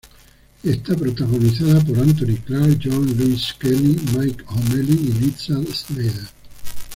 Es protagonizada por Anthony Clark, Jean Louisa Kelly, Mike O'Malley, y Liza Snyder.